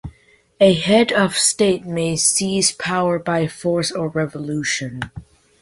A head of state may seize power by force or revolution.